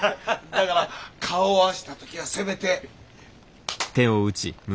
だから顔合わせた時はせめて。